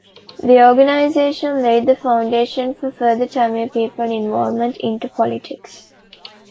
The organization laid the foundation for further Tamil people involvement into politics.